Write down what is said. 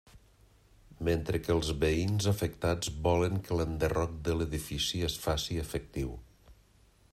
Mentre que els veïns afectats volen que l'enderroc de l'edifici es faci efectiu.